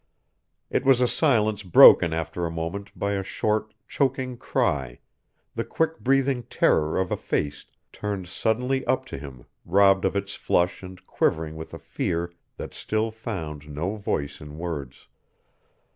It was a silence broken after a moment by a short choking cry, the quick breathing terror of a face turned suddenly up to him robbed of its flush and quivering with a fear that still found no voice in words.